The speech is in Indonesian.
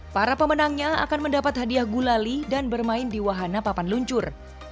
para pemenangnya akan mendapat hadiah gulali dan bermain di wahana papan luncur